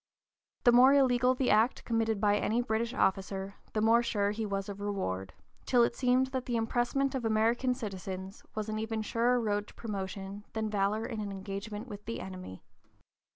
The more illegal the act committed by any British officer the more sure he was of reward, till it seemed that the impressment of American citizens was an even surer road to promotion than valor in an engagement with the enemy.